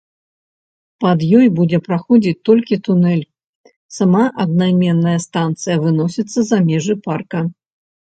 Пад ёй будзе праходзіць толькі тунэль, сама аднайменная станцыя выносіцца за межы парка.